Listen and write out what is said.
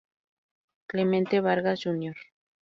Clemente Vargas Jr.